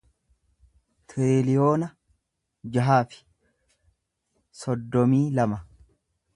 tiriliyoona jaha fi soddomii lama